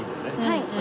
はい。